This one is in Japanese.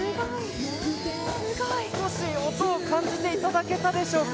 少し音を感じていただけたでしょうか。